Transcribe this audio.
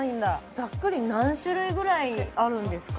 ざっくり何種類ぐらいあるんですか？